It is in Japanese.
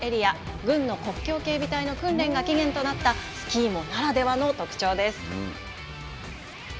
軍の国境警備隊の訓練が起源となったスキーモならではの特徴です。